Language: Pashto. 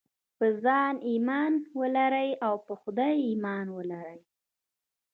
پر ځان ايمان ولرئ او پر خدای ايمان ولرئ.